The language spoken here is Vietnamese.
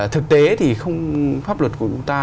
thực tế thì không pháp luật của chúng ta